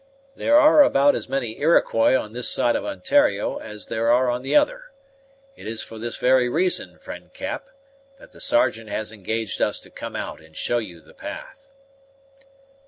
There are about as many Iroquois on this side of Ontario as there are on the other. It is for this very reason, friend Cap, that the Sergeant has engaged us to come out and show you the path."